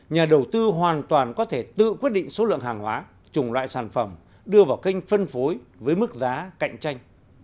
nhà đầu tư hoàn toàn có thể tự quyết định số lượng hàng hóa chủng loại sản phẩm đưa vào kênh phân phối với mức giá cạnh tranh